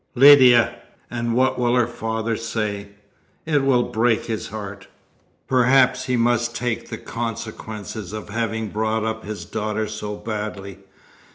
"Lydia! And what will her father say? It will break his heart!" "Perhaps; but he must take the consequences of having brought up his daughter so badly.